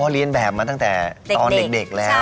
เรียนแบบมาตั้งแต่ตอนเด็กแล้ว